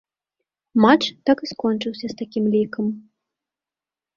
Матч так і скончыўся з такім лікам.